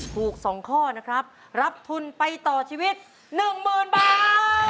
ถูก๒ข้อนะครับรับทุนไปต่อชีวิต๑๐๐๐บาท